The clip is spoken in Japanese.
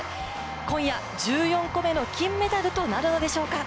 今夜、１４個目の金メダルとなるのでしょうか。